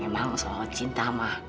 memang selalu cinta mah